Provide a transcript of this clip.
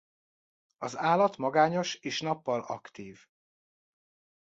Az állat magányos és nappal aktív.